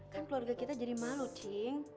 kan keluarga kita jadi malu cing